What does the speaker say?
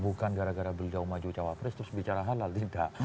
bukan gara gara beliau maju cawapres terus bicara halal tidak